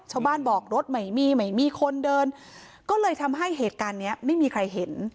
ชาวบ้านบอกรถไม่มีไม่มีคนเดินก็เลยทำให้เหตุการณ์เนี้ยไม่มีใครเห็น